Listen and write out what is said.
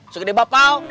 suka di bapak